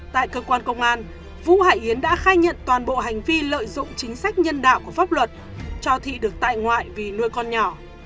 tại cơ quan công an vũ hải yến đã khai nhận toàn bộ hành vi lợi dụng chính sách nhân đạo của pháp luật cho thị được tại ngoại vì nuôi con nhỏ